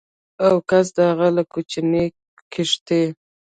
و کس د هغه له کوچنۍ کښتۍ